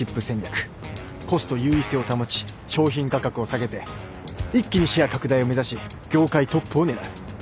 コスト優位性を保ち商品価格を下げて一気にシェア拡大を目指し業界トップを狙う。